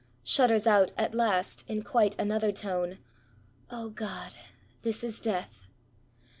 shudders out at last, in quite another tone, ''O God! this is death